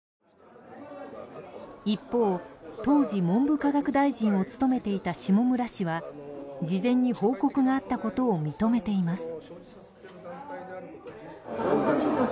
一方、当時、文部科学大臣を務めていた下村氏は事前に報告があったことを認めています。